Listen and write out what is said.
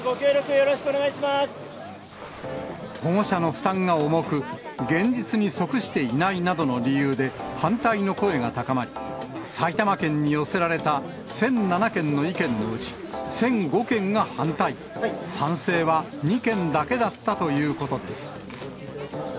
よろしくお保護者の負担が重く、現実に即していないなどの理由で、反対の声が高まり、埼玉県に寄せられた１００７件の意見のうち１００５件が反対、賛成は２件だけだったということです。